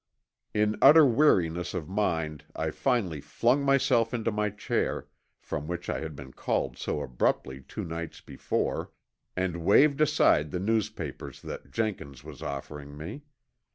In utter weariness of mind I finally flung myself into my chair, from which I had been called so abruptly two nights before, and waived aside the newspapers that Jenkins was offering me.